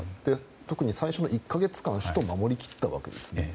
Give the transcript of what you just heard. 特に最初の１か月間首都を守り切ったわけですね。